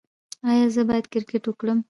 ایا زه باید کرکټ وکړم؟